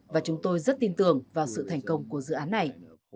và chúng tôi rất tin tưởng vào sự thành công của dự án này